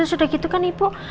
sudah gitu kan ibu